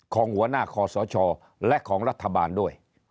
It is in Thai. ของหัวหน้าคอสชและของรัฐบาลด้วย